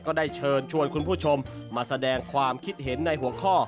ก็ได้เชิญชวนคุณผู้ชมมาแสดงความคิดเห็นในหัวข้อ